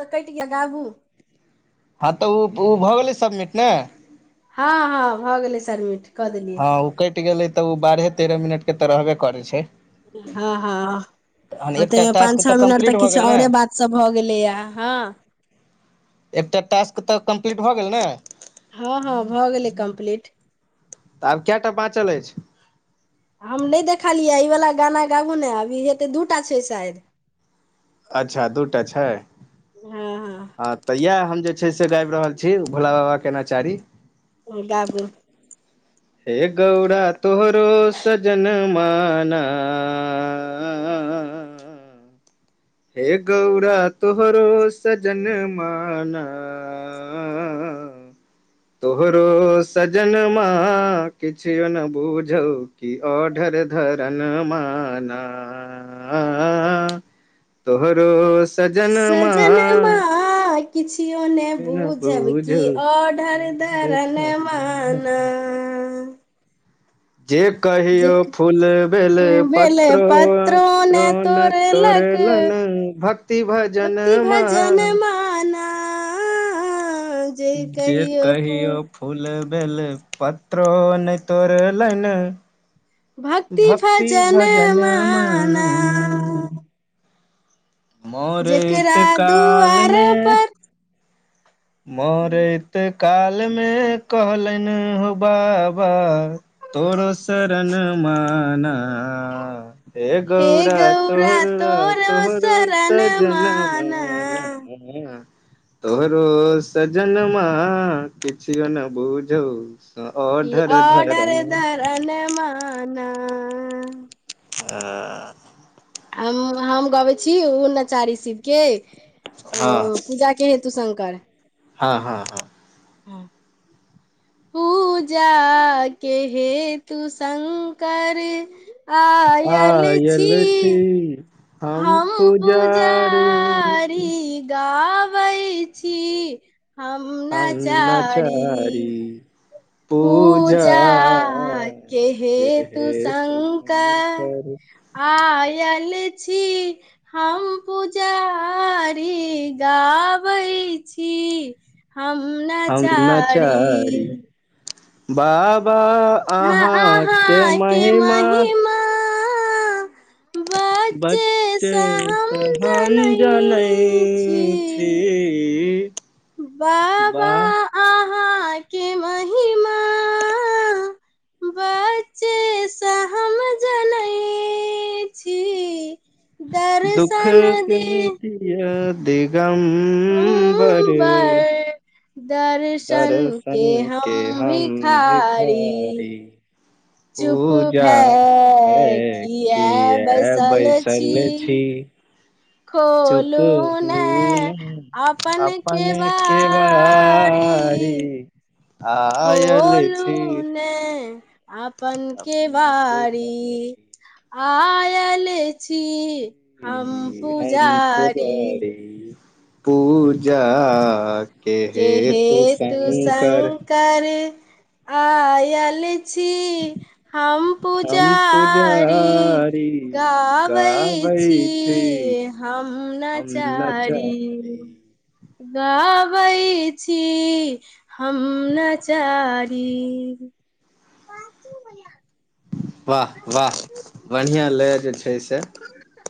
तऽ कटि क दाबू हँ तऽ ओ ओ भऽ गेलै सबमिट ने हँ हँ भऽ गेलै सबमिट कऽ देलियै ह ओ कटि गेले तऽ ओ बारहे तेरह मिनट के तऽ रहबे करे छै हँ हँ तहन एकटा ओतेमे पाच टास्क छओ मिनट कम्प्लीट तऽ भऽ गेल किछु ने औरे बात सब भऽ गेलैएा हँ एकटा टास्क तऽ कम्प्लीट भऽ गेल ने हँ हँ भऽ गेलै कम्प्लीट आब कएटा बाँचल अछि हम नहि देखलियै एहि वला गाना गाबू ने अभी हेते दू टा छै शायद अच्छा दू टा छै हँ हँ हँ तऽ इएह हम जे छै से गाबि रहल छी भोला बाबाके नचारी हँ गाबू हे गौड़ा तोहरो सजनमा ना हे गौरा तोहरो सजन्मा ना तोहरो सजनमां किछयो न बुझौ की ओढ़र धरना मा ना ना तोहरो सजनमा किछयो ने न बुझब कि बुझौ ऑडर धरनवा तराना तराना ना मा ना जे जे कहियो फूल बेल बेल पत्रो पत्रोत्रो ने तोड़लक तोड़लनि भक्ति भक्ति भजनमा भजन माना जे कहियो फूल बेल बेलपत्रो नहि तोड़लनि भक्ति भगति भजन भजनमा माना ना मरेएत जेकरा दुआर कालमे पर मोरैत कालमे कहलनि हो बाबा तोरो शरन मा ना [inaudible] हे गौड़ गौरा तोहर र तोर तोहरो स शरण जना मा माना ना हँ तऽ तोहरो तो सजनमा किछयो ने बुझौ स इ औढर ऑडर धरना धरनमा ना आ हम हम गबैत छी ओ नचारी शिवके हँ ओ पूजा के हेतु शंकर हँ हँ हँ पूजाके हे तू शंकर आएल छी हूँ हम पूजारी गाबै छी हम नचारी पूजा पूजाके हे के तू हेतु शंका शंकर आयल छी हम पुजारी गाबै छी हम हम नचारी नचारी बाबा अहाँके महिमा बच्चे चेसे हम जनै छी बाबा बा अहाँ के महिमा बच बच्चे से से हम जनैत छी दर्शन दी दिय दिगम्बर दिगम्बर दर्शन के हम भिखारी चुप पूजा हे भय किया छी बैसल छी चुप हु ने अपन के बारी केवारी जी खोलू ने अपन केवारी आयल छी हम छी हम पुजारी पूजाके हेतु शङ्कर कर आयल छी हम हम पुजारी पुजारी गाबै छी हम हम नचारी नचारी गाबै छी हम नचारी इ वाह वाह बढ़िया लय जे छै से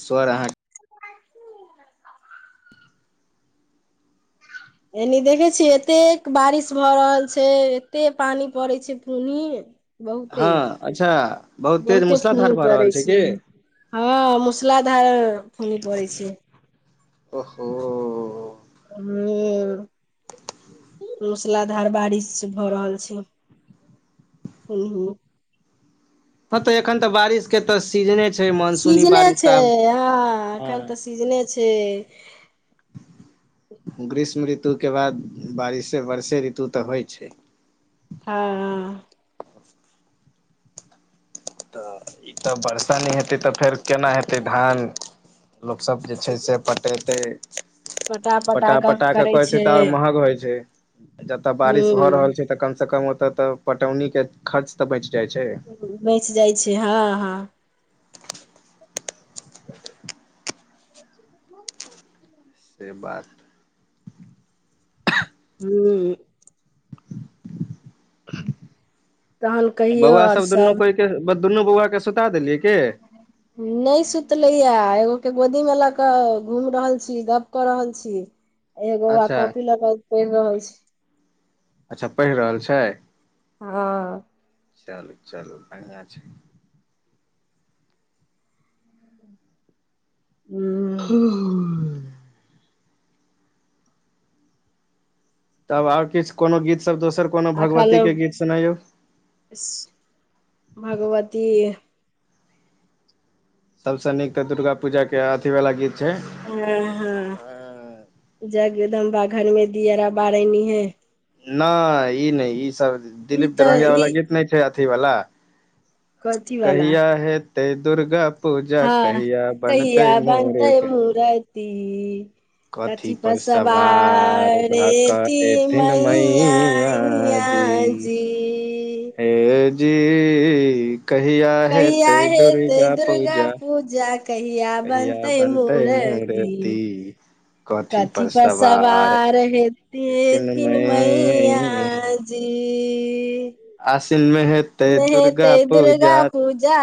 स्वर अहाँके एनी देखे छियै एतेक बारिश भऽ रहल छै एते पानी पड़ै छै पूनी बहुते हँ अच्छा बहुत तेज बहुते मूसलाधार बूनी भऽ रहल पड़ै की छै हँ मुसलाधार बुनी पड़ै छै ओहो हुँ अ मूसलाधार बारिश भऽ रहल छै हँ तऽ एखन ते बारिश के त सीजने छै मानसूनी सीजने बारिश छै तऽ आब हँ हँ एखन तऽ सीजने छै ग्रीष्म ऋतु के बाद बारिशे बरषे ऋतु तऽ होइ छै हाँ तऽ ई तऽ वर्षो नहि हेतै तऽ फेर केना हेतै धान लोकसभ जे छै से पटतै पटा पटा कऽ कहै छै तऽ आओर महग होइ छै जतय बारिश भऽ हूं रहल छै तऽ कम से कम ओतय तऽ पटौनी के खर्च तऽ बच जाइ छै बैच जाइ छै हँ हँ ब [unintelligible] से बात हूँ तहन कहियौ बौआ आओर दुनू सब कोइ दुनू बौआ के सुता देलियै के ह [unintelligible] नहि सुतले या एगो के गोदी मे लऽ कऽ घूम रहल छी गप कऽ रहल छी एगो अच्छा कॉपी लगा पैरह रहल छै अच्छा पढ़ि रहल छै हँ चलू चलू बढ़िया छै हूं हू तब आओर किछु कोनो गीत सब दोसर कोनो भगवती के गीत सुनैयौ इस भगवती सभसँ नीक तऽ दुर्गा पूजाके अथीवला गीत छै हँ हँ जगदम्बा घर मे दियारा बार आएनी हे नहि ई नहि ई सब ई दिलीप तऽ दरभंगिया वाला ई गीत नहि छै अथी वाला कथी वाला कहिया हेतै दुर्गा पूजा हँ कहिया बनतै मुुर्ती ती कथी पर सवार भऽ कऽ हेती एथिन मैइया मैया जी ये जी कहिया कहीआ हेतै हेते दुर्गा दुर्गा पूजा पूजा कहिय बनतै मूर्ति कथी पर सवार हेथिन मैया जी आसीन मे हे ते दुर्गा हेतै दुर्गा पूजा पूजा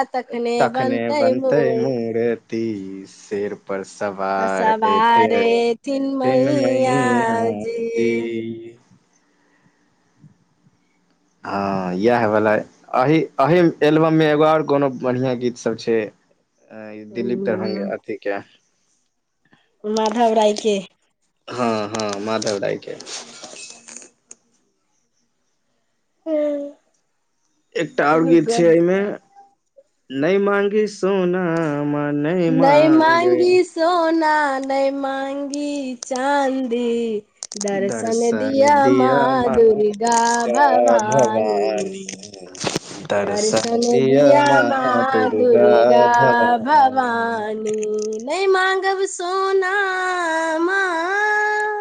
तखने बनतै बनते मोर मूर्ति ती सेेर पर सवार एथिे सवार एथिन एथिन मैया जी जी हँ यैह वला अह एहिही एलबम मे एगो आर कोनो बढ़िआं गीत सब छै अ दिलीप हूं दुरर्भागियां अथी के मधव राय के हँ हँ माधव राय के हूँ एकटा आओर गीत छै एमे न मांगी सोना मा नय नहि मांगे मांगी सोना नहि माँगी चाँदी दर्शन दिअ माँ दुर्गा भवानी [inaudible] दर्शन दिया माँ दुर्गा भवानी नहि माँगब सोना मां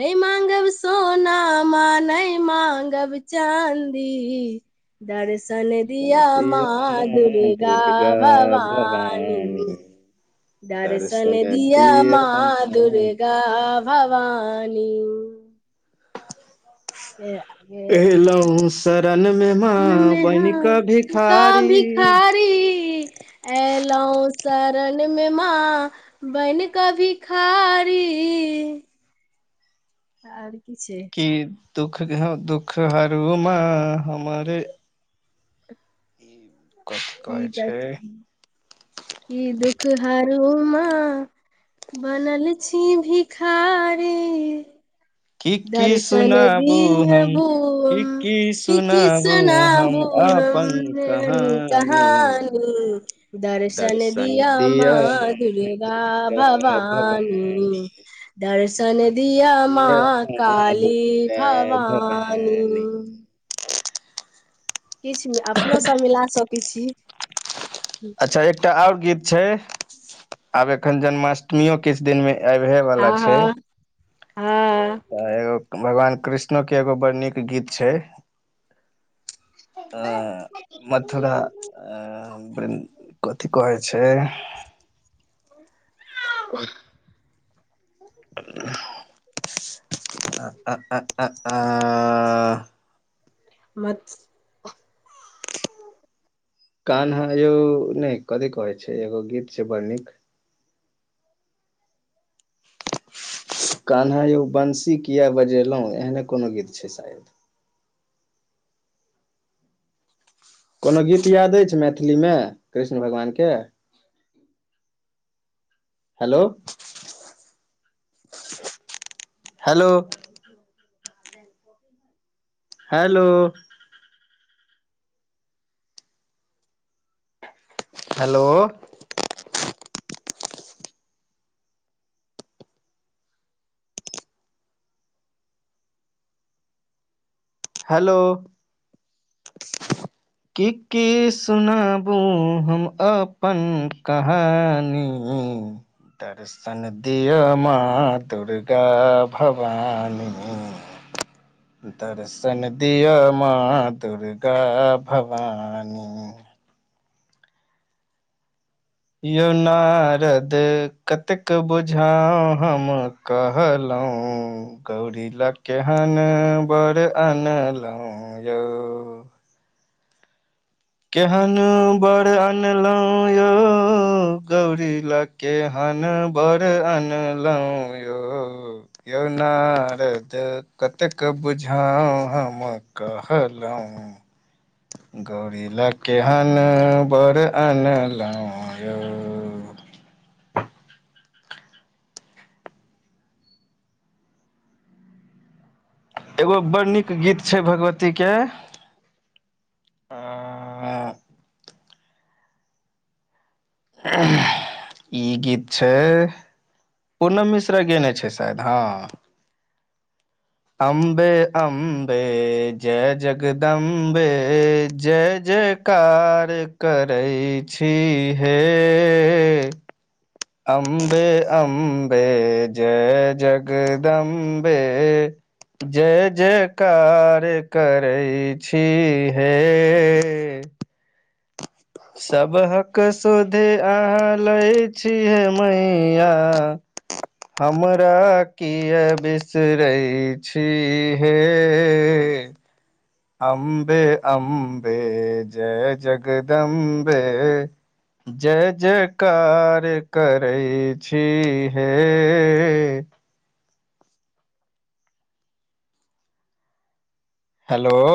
नय माँगब सोना माँ नय माँगब चाँदी दर्शन सन दिया माँ दुर्गा भवानी दर्शन दिया दिअ मां माँ दुर्गा गा दुर्गा भवानी के आगे एलहु शरण मे मां में बनि क भिखारी एलहुं शरण मे माँ बन कऽ भिखारी आर कि छै ई दुख दुःख हरू मां हमर ई कथि इ कहै छै दुःख इ दुःख हरू मां बनल छी भिखारी की की दर्शन सुनाबू दिअ हम की भूमि की कि सुनाबू किसना हम अपन भूम कहानी कहानी [unintelligible] दर्शन दिया मां दुर्गा भवानी दर्शन दिअ माँ काली भवानी किछु अपनो सब मिला सकै छी अच्छा एकटा आओर गीत छै आब एखन जन्माष्टमी ओ किछु दिन में आबहे वाला हँ छै हँ हँ तऽ एगो भगवान कृष्णो के एगो बड़ नीक गीत छै मथुरा कथी कहै छै [unintelligible] आ आ आ आ मत कान्हा यौ नइ कथी कहै छै एगो गीत छै बड़ नीक कन्हा यौ बंसी किया बजेलौं एहने कोनो गीत छै शायद कोनो गीत याद अछि मैथिली मे कृष्ण भगवान के hello hello hello hello hello आ [inaudible] की की सुनाबू हम अप्पन कहानी हूं दर्शन दिअ माँ दुर्गा भवानी आ [inaudible] दर्शन दर्शन दिया माँ दुर्गा भवानी यो नारद कतेक बुझा हम कहलौं गौरी ले केहन बर अनलौं यौ केहन बड़ अनलौं यौ गौरी ला केहन बड़ अनलौं यौ यौ नारद कतेक बुझा हम कहलौं आ [inaudible] गौरी ला केहन बर अनलौं यौ एगो बड़ नीक गीत छै भगवती के आ ई गीत छै पूनम मिश्रा गेने छै शायद हँ अम्बे अम्बे जय जगदम्बे जय जय कार करै छी हे अम्बे अम्बे जय जगदम्बे जय जयकार करै छी हे ह सबहक सुधी अहाँ लै छी हे मैया हमरा किए बिसरै छी हे अम्बे अम्बे जय जगदम्बे जय जय कार करै छी हे हेलो